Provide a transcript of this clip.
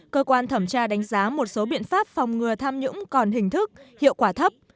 cơ quan thẩm tra đánh giá một số biện pháp phòng ngừa tham nhũng còn hình thức hiệu quả thấp